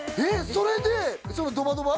それでその「ドバドバ」？